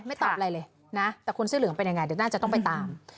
ตอบอะไรเลยนะแต่คนเสื้อเหลืองเป็นยังไงเดี๋ยวน่าจะต้องไปตาม